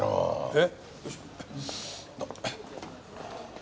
えっ？